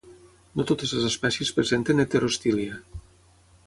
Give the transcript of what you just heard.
No totes les espècies presenten heterostilia.